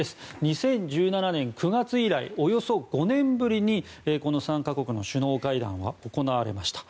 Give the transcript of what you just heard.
２０１７年９月以来およそ５年ぶりにこの３か国の首脳会談が行われました。